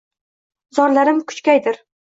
zorlarim ko’chgaydir